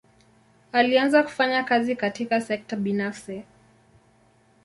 Alianza kufanya kazi katika sekta binafsi.